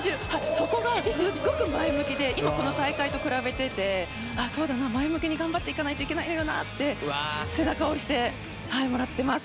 そこがすごく前向きで今この大会と比べてて、前向きに頑張っていかないといけないよなと背中を押してもらってます。